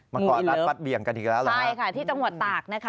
มันก่อนอัดปัดเบี่ยงกันอีกแล้วหรือคะงูอีเหลิมใช่ค่ะที่จังหวัดตากนะคะ